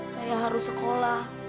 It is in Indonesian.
saya harus sekolah